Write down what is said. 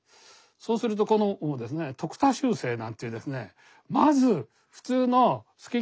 そうするとこのですね徳田秋声なんていうですね